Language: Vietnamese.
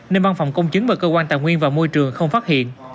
nên văn phòng công chứng và cơ quan tài nguyên và môi trường không phát hiện